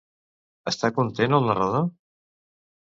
Està content el narrador?